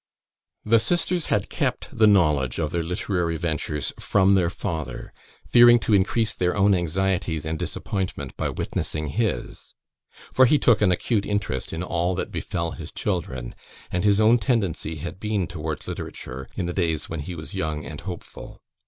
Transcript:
The sisters had kept the knowledge of their literary ventures from their father, fearing to increase their own anxieties and disappointment by witnessing his; for he took an acute interest in all that befell his children, and his own tendency had been towards literature in the days when he was young and hopeful.